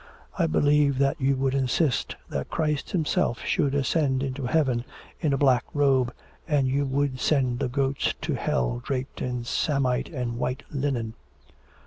I believe that you would insist that Christ Himself should ascend into Heaven in a black robe, and you would send the goats to hell draped in samite and white linen.'